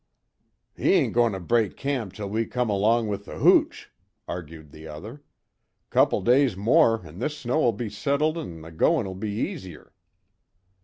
"He ain't goin' to break camp till we come along with the hooch," argued the other, "Couple days more an' this snow will be settled an' the goin'll be easier."